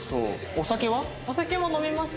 お酒も飲みますよ。